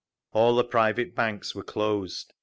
All the private banks were closed.